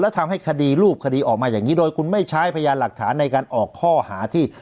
แล้วทำให้คดีรูปคดีออกมาอย่างนี้โดยคุณไม่ใช้พยานหลักฐานในการออกข้อหาที่